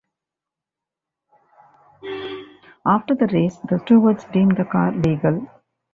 After the race, the stewards deemed the car legal.